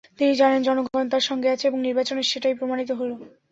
তিনি জানেন, জনগণ তাঁর সঙ্গে আছে, এবং নির্বাচনে সেটাই প্রমাণিত হলো।